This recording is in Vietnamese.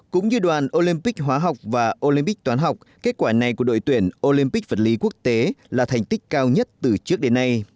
cũng như đoàn olympic hóa học và olympic toán học kết quả này của đội tuyển olympic vật lý quốc tế là thành tích cao nhất từ trước đến nay